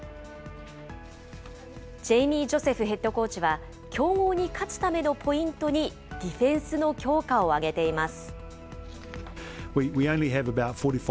ジェイミー・ジョセフヘッドコーチは、強豪に勝つためのポイントにディフェンスの強化を挙げています。